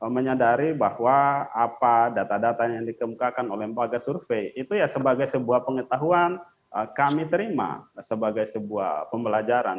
menyadari bahwa apa data data yang dikemukakan oleh lembaga survei itu ya sebagai sebuah pengetahuan kami terima sebagai sebuah pembelajaran